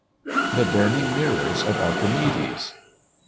THE BURNING MIRRORS OF ARCHIMEDES.